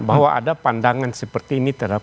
bahwa ada pandangan seperti ini terhadap